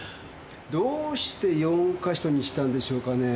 どうして４か所にしたんでしょうかねえ。